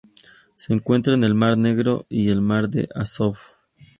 Se encuentra en el Mar Negro y el Mar de Azov.